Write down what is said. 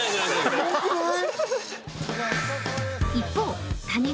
すごくない？